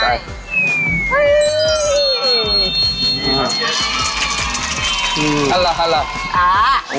อันนี้ครับ